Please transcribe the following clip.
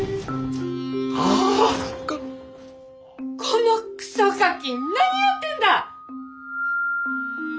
このくそガキ何やってんだ！